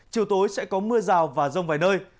chiều tối sẽ có mưa rào và rông vài nơi